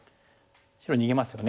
白逃げますよね。